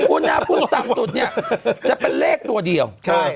อุณหภูมิต่ำสุดเนี่ยจะเป็นเลขตัวเดียว